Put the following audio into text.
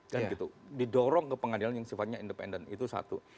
dan gitu didorong ke pengadilan yang sifatnya independen itu satu